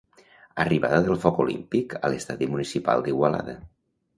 Arribada del foc olímpic a l'Estadi Municipal d'Igualada.